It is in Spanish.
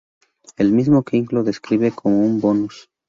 El mismo King lo describe como un bonus.